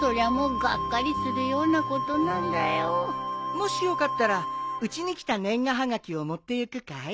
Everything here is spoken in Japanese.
もしよかったらうちに来た年賀はがきを持ってゆくかい？